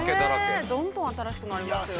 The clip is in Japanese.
◆どんどん新しくなりますよね。